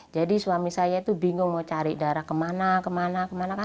jadi suami saya itu bingung mau cari darah kemana kemana kemana kan